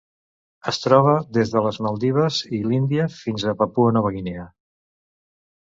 Es troba des de les Maldives i l'Índia fins a Papua Nova Guinea.